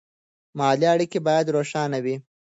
مالي اړیکې باید روښانه وي.